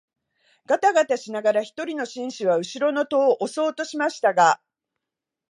がたがたしながら一人の紳士は後ろの戸を押そうとしましたが、